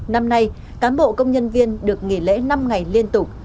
năm nay cán bộ công nhân viên được nghỉ lễ năm ngày liên tục